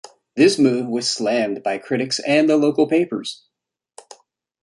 This move was slammed by critics and the local papers.